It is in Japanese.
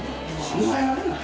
考えられない！？